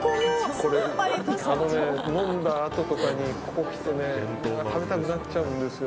これ飲んだあととかにここに来ると食べたくなっちゃうんですよ。